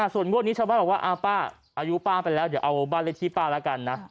ส่วนงวดนี้ชาวบ้านบอกว่าป้าอายุป้าไปแล้วเดี๋ยวเอาบ้านเลขที่ป้าแล้วกันนะ